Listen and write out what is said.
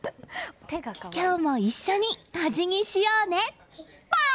今日も一緒にお辞儀しようね。